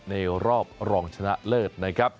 ในรอบรองชนะเลิศนะครับ